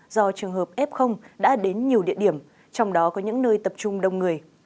do trường hợp f đã đến nhiều địa điểm trong đó có những nơi tập trung đông người